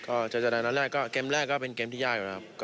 โอ้เกรมหนักละเกมแรกก็เป็นเกมที่ยากก็นะครับ